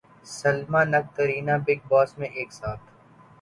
Salman Katrina Bigg Boss میں ایک ساتھ